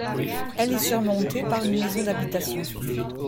Elle est surmontée par une maison d'habitation.